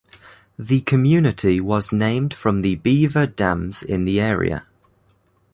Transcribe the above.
The community was named from the beaver dams in the area.